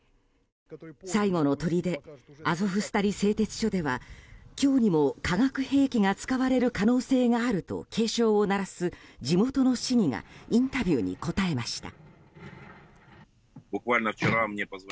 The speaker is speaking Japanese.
最後のとりでアゾフスタリ製鉄所では今日にも化学兵器が使われる可能性があると警鐘を鳴らす地元の市議がインタビューに答えました。